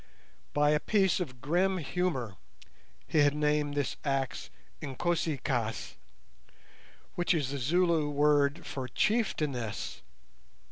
By a piece of grim humour, he had named this axe "Inkosi kaas", which is the Zulu word for chieftainess.